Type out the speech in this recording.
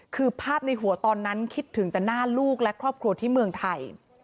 คือภาพในหัวตอนนั้นคิดถึงแต่หน้าลูกและครอบครัวที่เมืองไทย